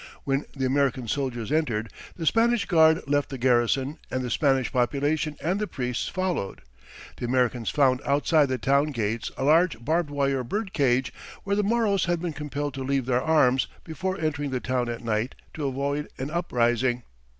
When the American soldiers entered, the Spanish guard left the garrison, and the Spanish population and the priests followed. The Americans found outside the town gates a large barbed wire bird cage, where the Moros had been compelled to leave their arms before entering the town at night, to avoid an uprising.